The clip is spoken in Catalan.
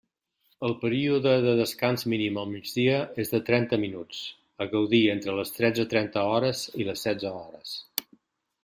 El període de descans mínim al migdia és de trenta minuts, a gaudir entre les tretze trenta hores i les setze hores.